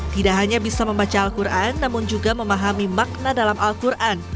tidak hanya bisa membaca al quran namun juga memahami makna dalam al quran